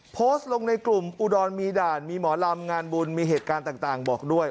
โพสต์ลงในกลุ่มอุดรมีด่านมีหมอลำงานบุญมีเหตุการณ์ต่างบอกด้วย